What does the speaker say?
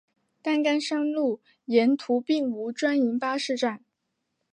担杆山路沿途并无专营巴士站。